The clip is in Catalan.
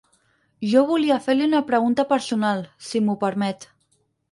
Jo volia fer-li una pregunta personal, si m'ho permet.